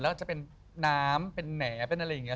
แล้วจะเป็นน้ำเป็นแหน่เป็นอะไรอย่างนี้